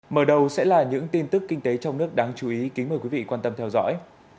mở đầu sẽ là những tin tức kinh tế trong nước đáng chú ý kính mời quý vị quan tâm theo dõi